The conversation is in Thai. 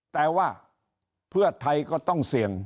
แต่ว่าเพื่อไทยก็ต้องเสี่ยง